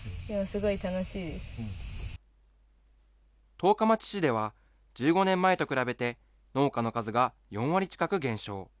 十日町市では１５年前と比べて、農家の数が４割近く減少。